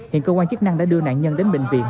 hiện cơ quan chức năng đã đưa nạn nhân đến bệnh viện